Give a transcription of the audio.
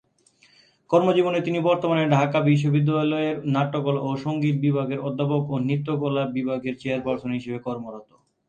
কর্মজীবনে তিনি বর্তমানে ঢাকা বিশ্ববিদ্যালয়ের নাট্যকলা ও সংগীত বিভাগের অধ্যাপক ও নৃত্যকলা বিভাগের চেয়ারপার্সন হিসেবে কর্মরত।